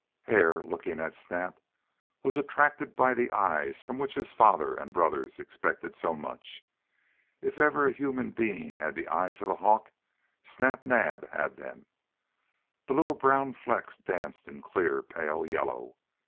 Hare, looking at Snap, was attracted by the eyes from which his father and brothers expected so much. If ever a human being had the eyes of a hawk Snap Naab had them. The little brown flecks danced in clear pale yellow.